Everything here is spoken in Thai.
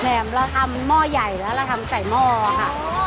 แหม่มเราทำหม้อใหญ่แล้วเราทำใส่หม้อค่ะ